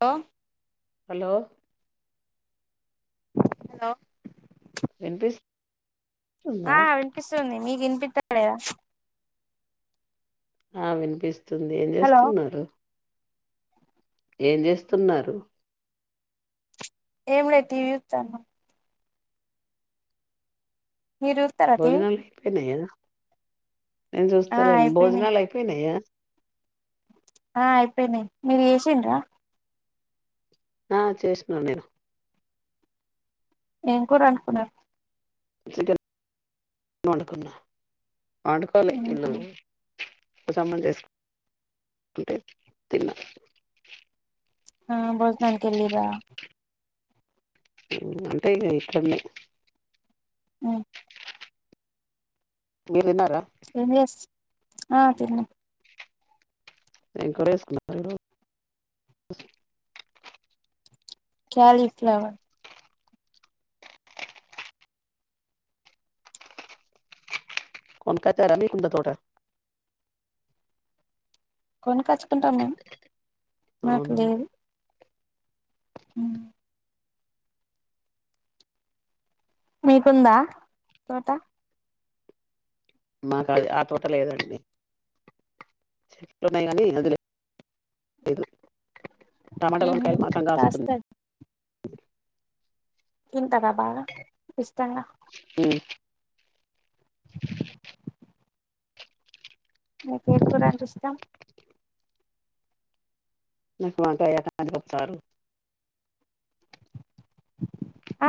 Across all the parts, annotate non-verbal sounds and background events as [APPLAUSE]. Hello hello hello విన్పిస్ ఆ వినిపిస్తుంది మీకు వినోపిస్తలేదా ఆ వినిపిస్తుంది ఏం హలో చేస్తున్నారు ఏం చేస్తున్నారు ఏంలేదు టీవీ చూతన మీరు చూత్తరా టీవీ భోజనలుపోన్నాయ నేను ఆ చూస్తలేండి అయిపోయినాయి భోజనాలు అయిపోయినాయా ఆ అయిపోయినాయి మీరు చేసండ్రా ఆ చేసుకున్న నేను ఏం కూర వోడుకున్నారు చికెన్ వండుకున్న వాడుకోలే ఇళ్ళు మోసంబన్న రైస్ అంటే తిన్నా ఆ బొజ్జనానికి వెళ్ళిరా అంటే ఇక ఇష్టంలే హ్మ్ మెర్తిన్నారా ఏం స్ ఆ తిన్న ఎం కోర చేసుకున్నారు కాలిఫ్లవర్ కొనుకోతారా మీ కుంద తోట కొనుక్కచ్చుకుంటాం మేము మాకు అవునా లేదు హ్మ్మ్ మీకుందా తోట మాకు అది ఆ తోట లేదండి చెమ కానీ అందు టమాటలు ఉహు వంకాయ్ మాత్రం కాస్తుంది కాస్తది తింటార బాగా ఇష్టంగా ఉ మీకే కూర అంటే ఇష్టం నాకు వంకాయ టమాట పప్పు చారు అ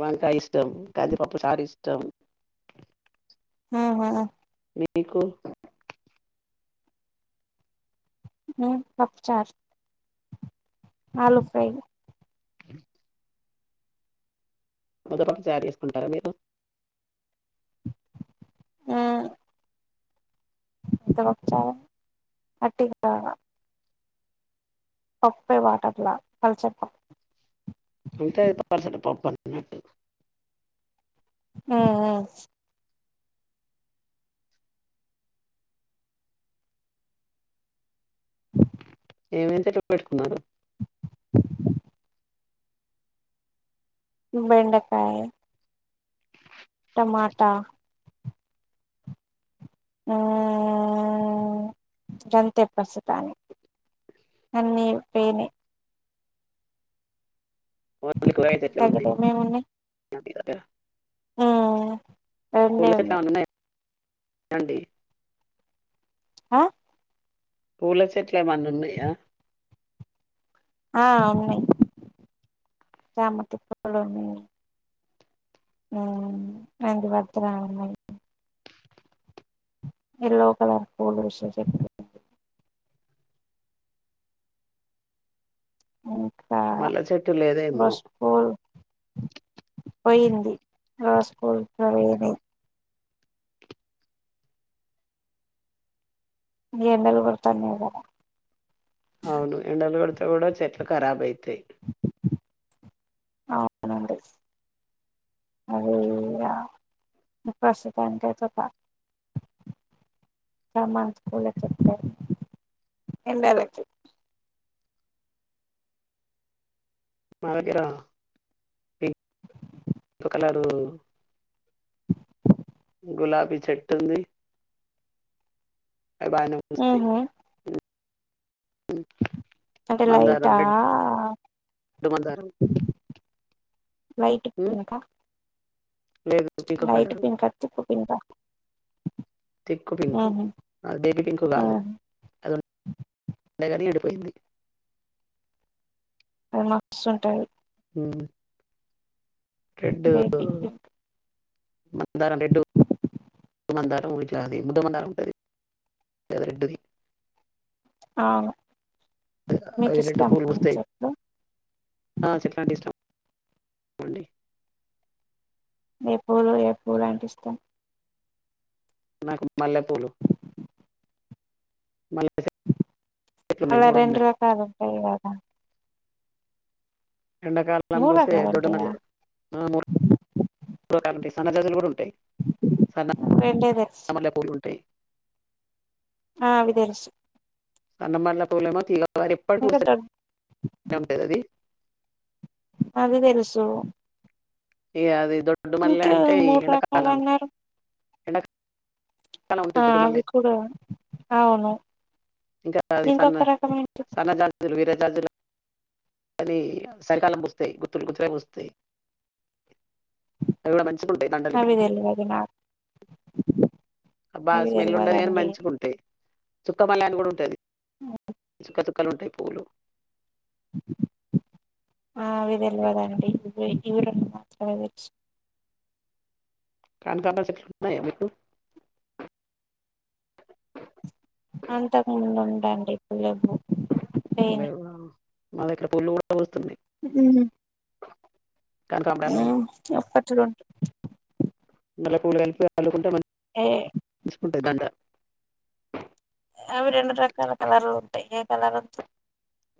వంకాయ ఇష్టం కంది పప్పు చారు ఇష్టం ఊహు మీకు ఊ పప్పు చారు ఆలూ ఫ్రై ఉ ముదపప్పు చారు చేసుకుంటారా మీరు ఆ ముద్ద పప్పు చార అట్టిగా పప్పే వాటర్లా పల్చగా తింటది [UNINTELLIGIBLE] పప్పన్నం ఆ ఆ ఏం ఎంతే తొక్ పెట్టుకున్నారు బెండకాయ టమాటా ఆ ఊ గంతే ప్రస్తుతానికి పన్నీరు పేనే ఒ ఇపుడు అయితే ఎట్లా ఉంది దగ్గరేమేమి ఉన్నాయి నా మీద గా మ్మ్ పూల రెండే చెట్లు ఉన్నాయి ఏమన్న ఉన్నాయా అండి అ పూల చెట్లు ఏమన్న ఉన్నాయ ఆ ఉన్నాయి చామతి పూలు ఉన్నయ్ ఊ నందివర్దనాలు వున్నయ్ ఎల్లో కలర్ పూలు పూసేటియి ఏం లెవ్ ఊ మళ్ల చెట్టు లేదేమో పోయింది రోస్ పూలు పోయినయ్ ఇగ ఎండలు కొడతనయ్ కదా అట్ల కూడా చెట్లు కరాబ్ అయితయ్ అవునండి అది ఈగ ప్రస్తుతానికయితే ఒక గామా మంచి పూలె తెతది ఎండలకి మా దగ్గర ఒ కలరు గులాబీ చెట్టు ఉంది అవి బానే పుస్తయ్ ఉహు ఉ ఉ అంటే మందారం లైటా రెడ్డు మందారం వైటు ఉమ్, పూలక లేదు పింక్ లైట్ కలరు పింకా తిక్కు పింకా తిక్ పింకు ఉహు బేబీ పింకు కాదు ఉహు అది వుండే గని ఈడు పోయింది అది మస్తు ఉంటది ఊ బేబీ పింక్ హత్తున్నారా అండి ఇటు మందారం బుధమందారం ఉంటంది రెడ్ ది ఆ అ రెడ్ పూలు పూస్తాయి చెట్లు ఆ చెట్లంటే ఇష్టం అండి ఏ పూలు ఏ పూలు అంటే ఇష్టం నాకు మల్లెపూలు మల్లె చెట్లు ఉన్నాయి అలా మూడు రెండు ఉన్నాయి రకాలు ఉంటాయి కదా ఎండాకాలం మూడు పూసే రకాలు దొడ్డ ఉంటాయా మల్లె సన్నజాజులు ఉంటాయి ఉంటే సన్నజాజులు రెండే తెలుసు ఉంటాయి ఆ అవి తెలుసు సన్న మల్లెపూలేము తీగల వారి ఎప్పటికీ ఇంకా దొడ్ పూస్తూనే అది అది తెలుసు ఇగా అది దొడ్డు మల్లె ఇంకా అంటే మూడు రకాలు ఎండాకాలం అన్నారు ఎండ ఆ అవి కూడా అవును ఇంకాది సన్న ఇంకొక రకం ఏంటి సన్న జాజులు వీరా జాజులు అవి చలికాలం పూస్తాయి గుర్తులు గుర్తు పూస్తాయి అది దండలి అవి పెట్టుకుంటే తెల్వదు నాకు బాగా అవి స్మెల్లు ఉండదు కానీ తెల్వదండి మంచిగా ఉంటాయి చుక్క మల్ల అని కూడా ఉంటుది చుక్క చుక్కలు ఉంటాయి పువ్వులు ఆ అవి తెలవదండి నాకు ఈ మాత్రమే తెలుసు అంకమరాల చెట్లు ఉన్నాయా మీకు అంతకు ముందు ఉండండి ఇప్పుడు లేవు లేవా మా దగ్గర పులు కూడా వస్తున్నాయి ఉ కనకమరాలు అప్పట్లో మల్లెపూలు కలిపి అల్లుకుంటే మంచిగా ఉంటుండే ఉంటాయి మంచిగుంటది దండ అవి రెండు రకాల కలర్లు ఉంటాయి ఏ కలర్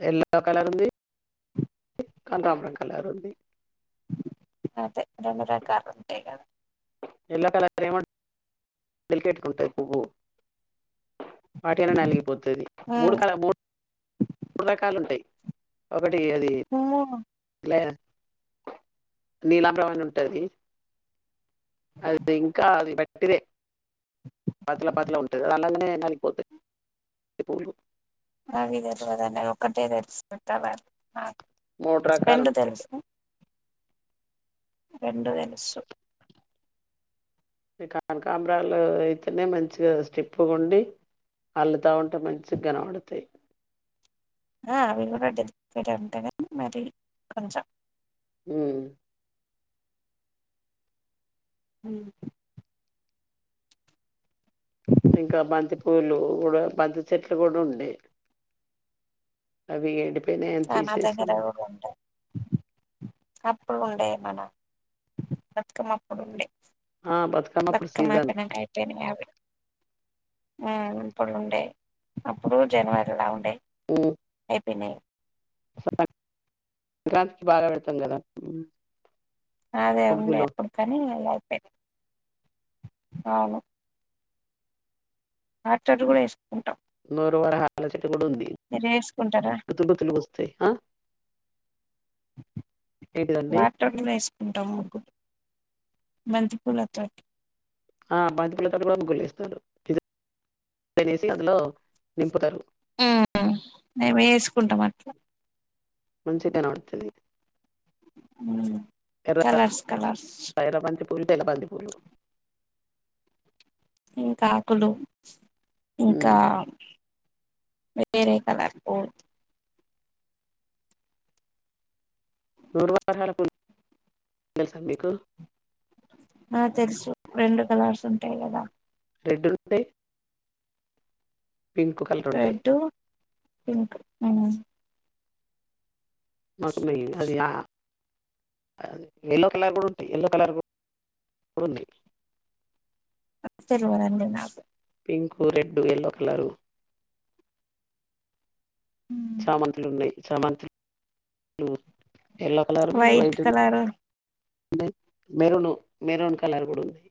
ఎల్లో కలర్ ఉంది కనకాంబరం కలర్ ఉంది అదే రెండు రకాలు ఉంటాయి ఎల్లో కలర్ ఏమంటారు పిలికెట్టుకుంటాయి పువ్వు వట్టిగనే నలిగిపోతుంది మూడు మ్మ్ కాడ మూడు మూడు రకాలు ఉంటాయి ఒకటి అది మ్మ్ నీలాబ్రమణ ఉంటది అది ఇంకా అది బట్టిదే పాతల పాతల ఉంటుంది అలాగనే నలిగిపోతుంది పూలు అది సెలవది ఒక్కటే తెలుసు కలర్ మూడు రకాలు రెండు ఉంటాయి తెలుసు రెండు తెలుసు కానకామ్రాలు అయితేనే మంచిగా స్టిప్పు ఉండి అళ్ళుత ఉంటే మంచి కనపడతాయి అవి కూడా డెలి పెట్ ఉంటాయి కానీ మరి కొంచెం ఉ ఉ హు ఇంకా బంతి స్కూలు కూడా మద్ద చెట్లు కూడా ఉండే అవి అవి ఎండిపోయి అవి మా దగ్గర కూడా ఉంటాయి అప్పుడు ఉండే మన బతుకమ్మ అప్పుడు ఉండే ఆ బతుకమ్మప్పుడు బత్కమ్మ సీజన్ అయిపోయినక అయిపోయినీ అవి హ్మ్ ఇప్పుడు ఉండే అప్పుడు జనవరిలా ఉండే అయిపోయినయ్ సం సంక్రాంతికి బాగా పెడతాం కదా అదే ఉండే ముగ్గులు అప్పుడు కానీ అయిపోని అవును ఆటడు కూడా ఎస్కుంటాం నూ ర వ హ ఎక్కడ ఉంది వేసుకుంటారా గతమం లో తిలిగి వస్తాయ్ అ వాటోన్ వేస్ డమ్ కు బంతి పూలుతో ఆ బంతిపూలు కూడా గుళ్ళో ఇస్తారు తేనేసి అందులో నింపుతారు హ్మ్ మేము ఎస్కుంటాం అట్లా మంచిగ్ గనవడతది హ్మ్ కలర్స్ కలర్స్ వొళ్ళి పోయిన బంతిపూలు ఇంకా ఆకులు ఉమ్ ఇంకా వేరే కలర్ పో నూరు వారల వూలు తెలుసా మీకు ఆ తెల్సు రెండు కలర్స్ ఉంటాయి కదా రెడ్ ఉంటే ఉంటాయి రెడ్ పింక్ హ్మ్ మకుమీ అది ఆ యల్లో కలర్ గూడా ఉంటాయ్ ఎయల్లో కలర్ గూడా ఉన్నాయ్ నాకు తెలవదండి నాకు పింకు రెడ్డు ఎల్లో కలరు చామంతులున్నాయ్ చామంతులు ఎల్లో కలరు ఉంది వైట్ ఉ మె మెరూను మెరున్ కలర్ గూడా ఉంది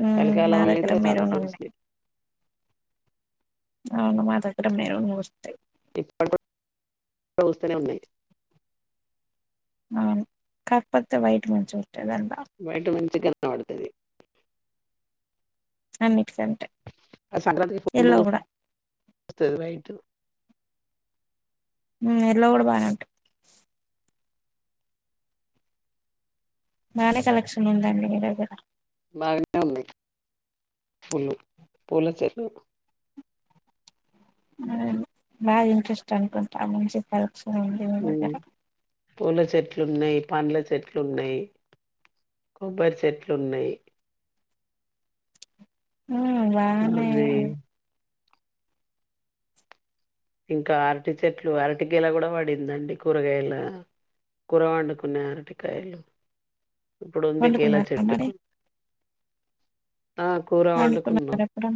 ఉమ్ మా సలికాలం లో దగ్గర అయితే చాలా మెరూన్ ఉన్నాయి పూస్తాయ్ అవును మా దగ్గర మెరూన్ పూస్తాయ్ ఇ టి రో స్తనే ఉన్నాయ్ అవును కాకపోతే వైట్ మంచూ వైట్ మంచిగ్ గనబడతది అండి ఆ సంక్రాంతికి ఫు నూల్ కూడా వస్తది వైట్ హ్మ్ ఎల్లో గూడ బానే ఉంటాయ్ బానే కలెక్షన్ ఉందండి మీ దగ్గర బాగానే ఉంది ఫుల్ పూలే చె బా ఇంట్రెస్ట్ అనుకుంటా అందకని చెప్పారు. హ్మ్ పూల చెెట్ ట్లు ఉన్నాయి పండ్ల చెట్లు ఉన్నాయి కొబ్బరి చెట్లు ఉన్నాయి ఉమ్ బానే బావున్నాయి ఇంకా అరటి చెట్లు అరటి గెల గూడా పడిందండి కూరగాయల కూరవండుకున్నా అరటికాయలు ఇప్పుడు ఉంది గెల వండుకున్నారా మరి చెట్టుకు ఆ కూర అనుకున్నా వండుకున్నాం ఇ డ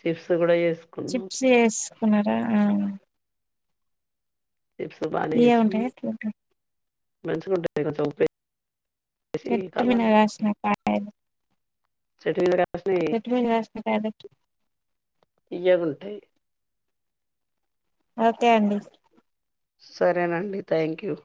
చిప్స్ కూడా చేసుకున్నాం చిప్స్ వేస్కున్నారా అవునా చిప్స్ ఏం ఉంటాయ్ ఎట్ల ఉంటాయ్ మంచిగాంటుంది ఇగొ సొబ్చె చెట్టు మీన కాసిన కాయలు సెటిల్ ద చెట్టు మీద కాస్తుంది కాబట్ తియ్యగునటయ్ ఓకే అండి సరేనండి థ్యాంక్ యూ